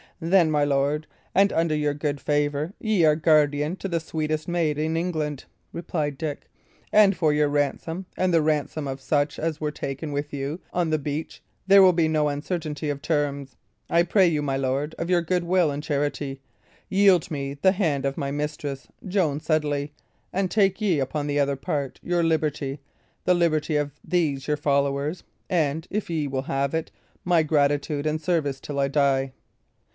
"Then, my lord, and under your good favour, ye are guardian to the sweetest maid in England," replied Dick; "and for your ransom, and the ransom of such as were taken with you on the beach, there will be no uncertainty of terms. I pray you, my lord, of your goodwill and charity, yield me the hand of my mistress, Joan Sedley; and take ye, upon the other part, your liberty, the liberty of these your followers, and (if ye will have it) my gratitude and service till I die."